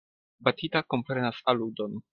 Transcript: Batita komprenas aludon.